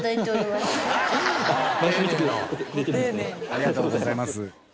ありがとうございます。